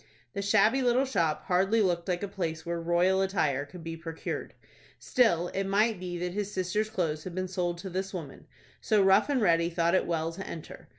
The shabby little shop hardly looked like a place where royal attire could be procured. Still it might be that his sister's clothes had been sold to this woman; so Rough and Ready thought it well to enter.